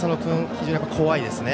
非常に怖いですね。